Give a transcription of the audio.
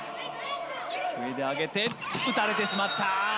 上で上げて、打たれてしまった。